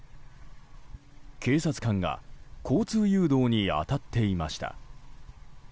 警察官が交通誘導に当たっていました。